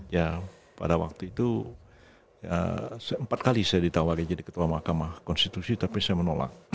ya pada waktu itu sempat kali saya ditawarin jadi ketua mahkamah konstitusi tapi saya menolak